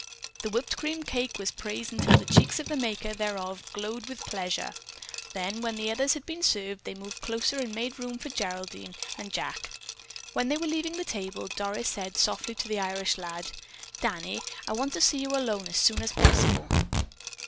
The whipped cream cake was praised until the cheeks of the maker thereof glowed with pleasure. Then, when the others had been served, they moved closer and made room for Geraldine and Jack. When they were leaving the table, Doris said softly to the Irish lad: "Danny, I want to see you alone as soon as possible."